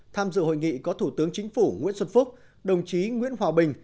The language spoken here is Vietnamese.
tham dự hội nghị có thủ tướng chính phủ nguyễn xuân phúc đồng chí nguyễn hòa bình